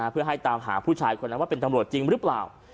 เพื่อให้ตามหาผู้ชายคนนั้นว่าเป็นตำรวจจริงหรือเปล่า